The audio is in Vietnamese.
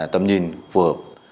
tầm nhìn phù hợp